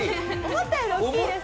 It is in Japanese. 思ったより大きいですね。